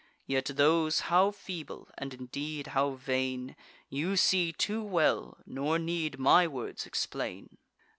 Yet those how feeble, and, indeed, how vain, You see too well; nor need my words explain.